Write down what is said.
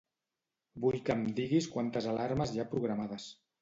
Vull que em diguis quantes alarmes hi ha programades.